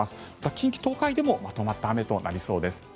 近畿・東海でもまとまった雨となりそうです。